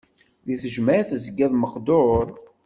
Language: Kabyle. Di tejmaɛt tezgiḍ meqdur.